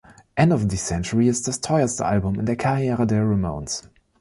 End of the Century ist das teuerste Album in der Karriere der Ramones.